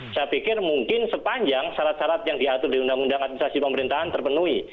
saya pikir mungkin sepanjang syarat syarat yang diatur di undang undang administrasi pemerintahan terpenuhi